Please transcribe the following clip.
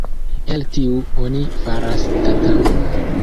El tiu oni faras tatamon.